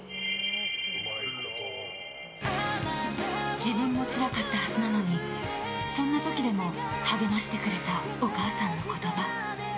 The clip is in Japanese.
自分もつらかったはずなのにそんな時でも励ましてくれたお母さんの言葉。